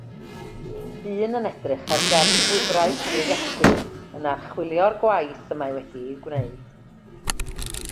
Dyn yn edrych ar gefn gwifrau cyfrifiadur yn archwilio'r gwaith y mae wedi'i gwneud.